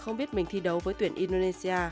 không biết mình thi đấu với tuyển indonesia